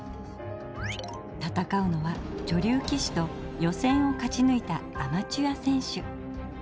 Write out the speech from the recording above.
戦うのは女流棋士と予選を勝ち抜いたアマチュア選手。